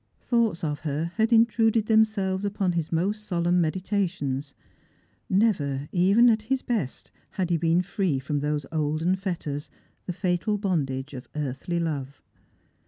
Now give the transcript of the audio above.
Thoughts of her had intruded themselves ujjon his most solemn meditations ; never, even at his best, had he been free from those olden fetters, the fatal bondage of earthly love.